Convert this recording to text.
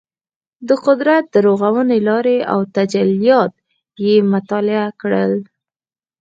د قدرت د رغونې لارې او تجلیات یې مطالعه کړل.